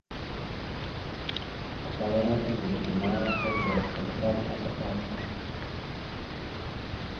Afalaŋa tisleváma, tazalakal tal aka ɗaf.